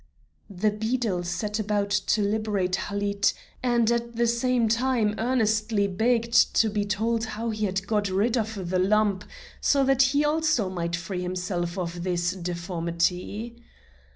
The beadle set about to liberate Halid, and at the same time earnestly begged to be told how he had got rid of the hump, so that he also might free himself of his deformity.